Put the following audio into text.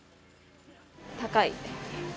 高い。